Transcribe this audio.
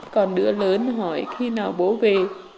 còn đứa lớn hỏi khi nào bố về